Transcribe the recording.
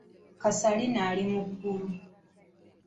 Kasalina ali mu ggulu.